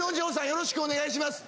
よろしくお願いします